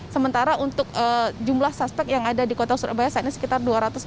sementara untuk jumlah suspek yang ada di kota surabaya saat ini sekitar dua ratus